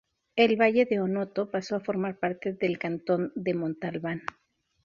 El Valle de Onoto pasó a formar parte del Cantón de Montalbán.